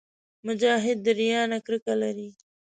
مجاهد د ریا نه کرکه لري.